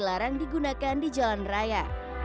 larang digunakan di jalan raya